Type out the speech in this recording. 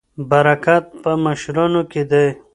برکت په مشرانو کې دی.